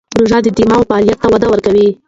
روژه د دماغ فعالیت ته وده ورکوي.